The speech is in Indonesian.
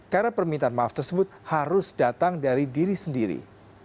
karena permintaan maaf tersebut harus datang dari diri sendiri